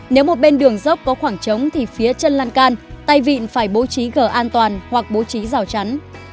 nếu một bên đường dốc có khoảng trống thì phía chân lan can tay vịn phải bố trí gờ an toàn hoặc bố trí rào chắn